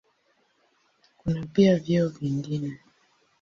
Kuna pia vyeo vingine.